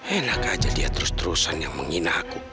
enak aja dia terus terusan yang menghina aku